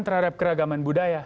terhadap keragaman budaya